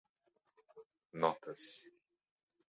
notas